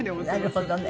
なるほどね。